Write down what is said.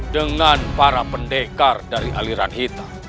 dengan para pendekar dari aliran hitam